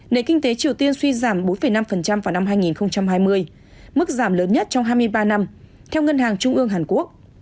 nền kinh tế triều tiên suy giảm bốn năm vào năm hai nghìn hai mươi mức giảm lớn nhất trong hai mươi ba năm theo ngân hàng trung ương hàn quốc